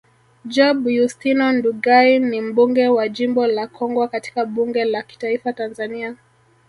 Job Yustino Ndugai ni mbunge wa jimbo la Kongwa katika bunge la kitaifa Tanzania